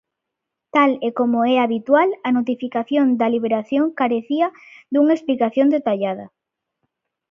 Tal e como é habitual, a notificación da liberación carecía dunha explicación detallada.